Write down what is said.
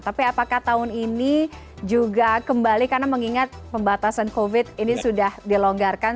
tapi apakah tahun ini juga kembali karena mengingat pembatasan covid ini sudah dilonggarkan